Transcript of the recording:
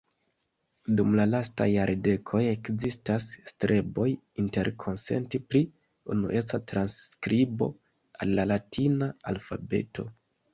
Dum la lastaj jardekoj ekzistas streboj interkonsenti pri unueca transskribo al la latina alfabeto.